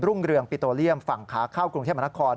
เรืองปิโตเลียมฝั่งขาเข้ากรุงเทพมนาคม